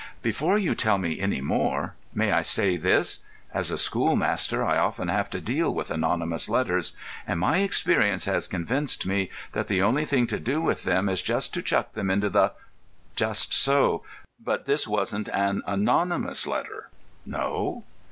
"Before you tell me any more, may I say this? As a schoolmaster I often have to deal with anonymous letters, and my experience has convinced me that the only thing to do with them is just to chuck them into the——" "Just so. But this wasn't an anonymous letter." "No?"